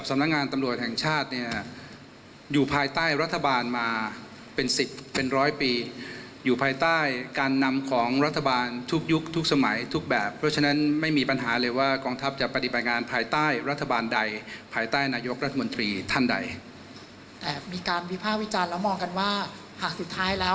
มีการวิภาควิจารณ์แล้วมองกันว่าหากสุดท้ายแล้ว